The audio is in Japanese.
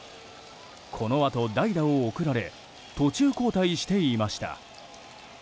このあと代打を送られ途中交代していました。